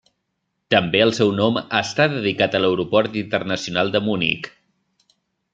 També el seu nom està dedicat a l'aeroport internacional de Munic.